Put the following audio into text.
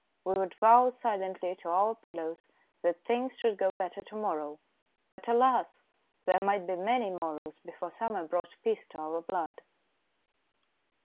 We would vow silently to our pillows that things should go better to morrow, but alas ! there might be many morrows before summer brought peace to our blood.